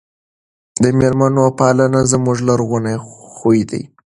د مېلمنو پالنه زموږ لرغونی خوی دی.